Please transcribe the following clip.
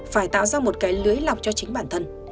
phải tạo ra một cái lưới lọc cho chính bản thân